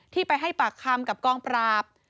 ที่ไปให้ปากคำกับกองปราบ